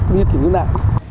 nguyên thủ nước nạn